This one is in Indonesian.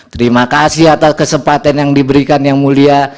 terima kasih atas kesempatan yang diberikan yang mulia